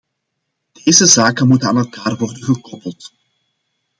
Deze zaken moeten aan elkaar worden gekoppeld.